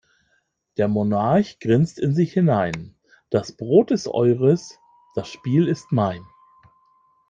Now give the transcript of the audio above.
Der Monarch grinst in sich hinein: Das Brot ist eures, das Spiel ist mein.